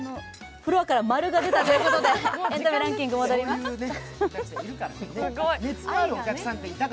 フロアから○が出たということで、エンタメ戻ります。